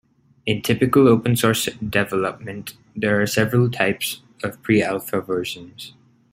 In typical open source development, there are several types of pre-alpha versions.